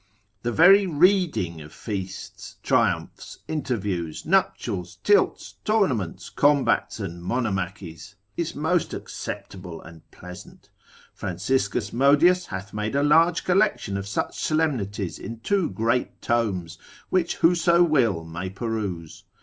The very reading of feasts, triumphs, interviews, nuptials, tilts, tournaments, combats, and monomachies, is most acceptable and pleasant. Franciscus Modius hath made a large collection of such solemnities in two great tomes, which whoso will may peruse.